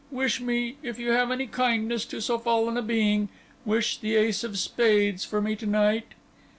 Wish me, if you have any kindness to so fallen a being—wish the ace of spades for me to night!"